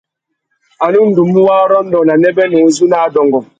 A nu ndú mú warrôndô nà nêbênê uzu nà adôngô.